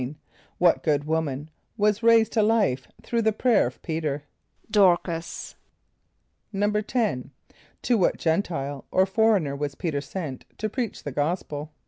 = What good woman was raised to life through the prayer of P[=e]´t[~e]r? =Dôr´cas.= =10.= To what [.G][)e]n´t[=i]le or foreigner was P[=e]´t[~e]r sent to preach the gospel?